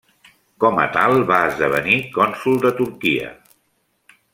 Com a tal, va esdevenir cònsol de Turquia.